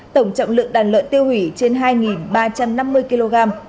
tổng trọng lượng đàn lợn tiêu hủy trên hai ba trăm năm mươi kg